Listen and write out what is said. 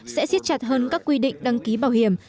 sẽ xiết chặt hơn các quy định đăng ký bảo hiểm